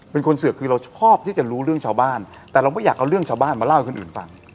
เป็นคนเสือกคือเราชอบที่จะรู้เรื่องชาวบ้านแต่เราไม่อยากเอาเรื่องชาวบ้านมาเล่าให้คนอื่นฟัง